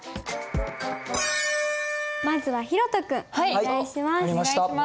まずはひろとくんお願いします。